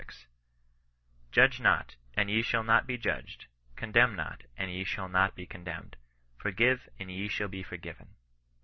'^ Judge not, and ye shall not be judged : condemn not, and ye shall not be condemned : forgive and ye shall be forgiven."